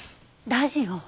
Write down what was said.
ラジオ？